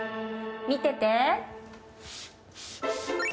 見てて。